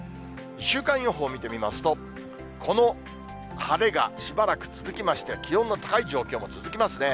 週間予報を見てみますと、この晴れがしばらく続きまして、気温の高い状況続きますね。